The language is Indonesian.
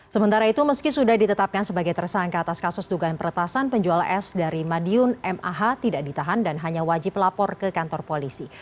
sementara itu meski sudah ditetapkan sebagai tersangka atas kasus dugaan peretasan penjual es dari madiun mah tidak ditahan dan hanya wajib lapor ke kantor polisi